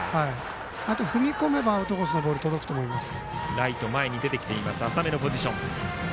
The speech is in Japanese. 踏み込めばアウトコースのボール届くと思います。